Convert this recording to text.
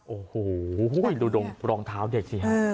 โอ้โหดูดรองเท้าเด็กสิฮะ